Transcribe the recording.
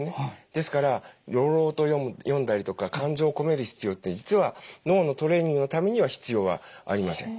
ですから朗々と読んだりとか感情を込める必要って実は脳のトレーニングのためには必要はありません。